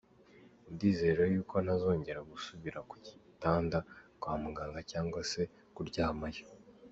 Ndizera y'uko ntazongera gusubira ku gitanda kwa muganga cyangwa se kuryamayo.